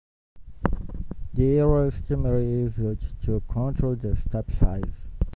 The error estimate is used to control the step size.